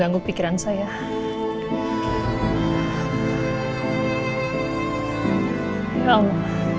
bisa tapi kita harus berhenti